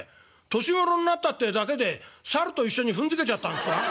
年頃になったってだけでサルと一緒に踏んづけちゃったんすか？」。